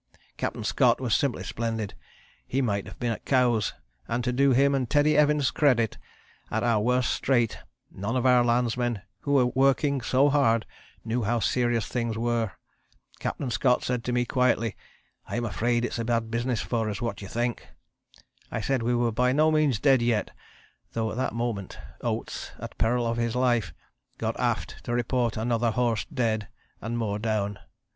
Captain Scott was simply splendid, he might have been at Cowes, and to do him and Teddy Evans credit, at our worst strait none of our landsmen who were working so hard knew how serious things were. Capt. Scott said to me quietly 'I am afraid it's a bad business for us What do you think?' I said we were by no means dead yet, though at that moment, Oates, at peril of his life, got aft to report another horse dead; and more down.